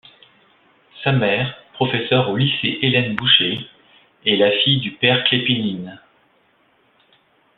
Sa mère, professeur au lycée Hélène Boucher, est la fille du Père Klépinine.